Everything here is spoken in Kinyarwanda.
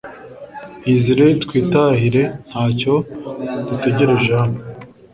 Iyizire twitahire ntacyo dutegereje hano